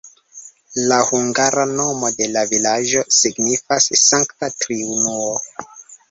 La hungara nomo de la vilaĝo signifas Sankta Triunuo.